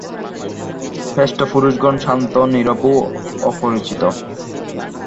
শ্রেষ্ঠ পুরুষগণ শান্ত, নীরব ও অপরিচিত।